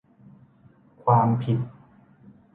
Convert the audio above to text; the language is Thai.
ความผิด